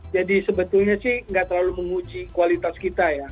jadi sebetulnya sih nggak terlalu menguji kualitas kita ya